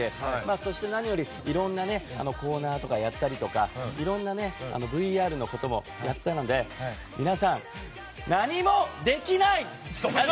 そしていろんなコーナーとかやったりとかいろんなＶＲのこともやったので皆さん、何もできない！